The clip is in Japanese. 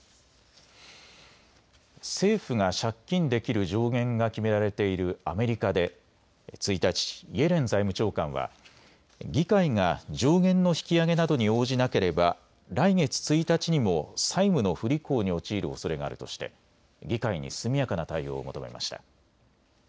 政府が借金できる上限が決められているアメリカで１日、イエレン財務長官は議会が上限の引き上げなどに応じなければ来月１日にも債務の不履行に陥るおそれがあるとして議会に速やかな対応を求めました。